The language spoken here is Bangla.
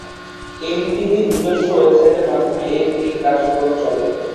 এমটিভি নিজস্ব ওয়েবসাইটের মাধ্যমে এই ভোটিং কার্যক্রম চলে।